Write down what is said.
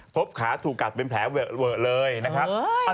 ขาถูกกัดเป็นแผลเวอะเวอะเลยนะครับ